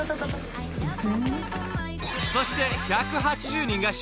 ［そして１８０人が集結］